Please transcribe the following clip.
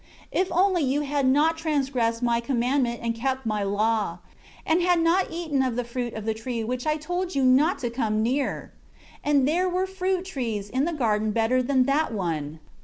6 If only you had not transgressed My commandment and had kept My law, and had not eaten of the fruit of the tree which I told you not to come near! And there were fruit trees in the garden better than that one.